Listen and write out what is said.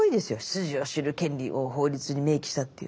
出自を知る権利を法律に明記したって。